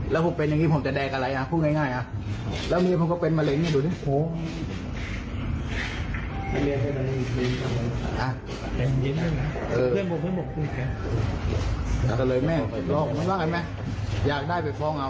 แล้วผมเป็นอย่างงี้ผมจะแดกอะไรพูดง่ายแล้วมีผมก็เป็นมาเล็งดูดิ